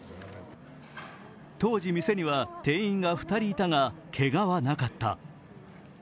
当時、店には店員が２人いたが、けがはなかった。